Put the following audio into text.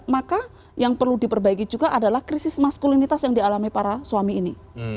maka yang perlu diperbaiki juga adalah krisis maskulinitas yang dialami para suami ini